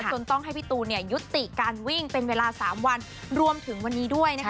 จนต้องให้พี่ตูนเนี่ยยุติการวิ่งเป็นเวลา๓วันรวมถึงวันนี้ด้วยนะคะ